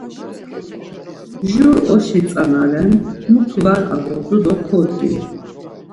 Jur oşi tzana ren mutu var ağodu do kodgin.